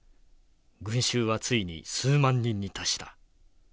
群衆はついに数万人に達した。